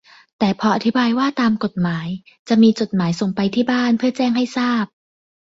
แต่พออธิบายว่าตามกฎหมายจะมีจดหมายส่งไปที่บ้านเพื่อแจ้งให้ทราบ